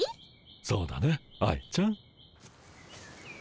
そうだね愛ちゃん。